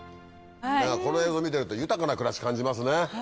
この映像見てると豊かな暮らし感じますね。